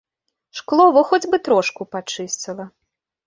Шкло во хоць бы трошку пачысціла.